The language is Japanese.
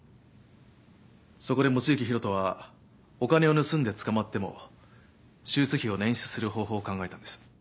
そこで望月博人はお金を盗んで捕まっても手術費を捻出する方法を考えたんです。